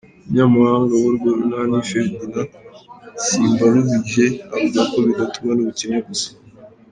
Umunyamabanga w'urwo runani, Ferdinand simbaruhije, avuga ko bidatumwa n'ubukene gusa.